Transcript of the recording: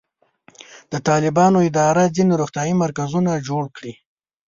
د طالبانو اداره ځینې روغتیایي مرکزونه جوړ کړي.